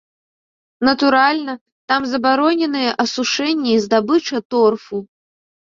Натуральна, там забароненыя асушэнне і здабыча торфу.